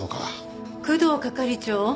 工藤係長。